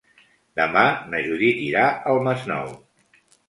Demà na Judit irà al Masnou.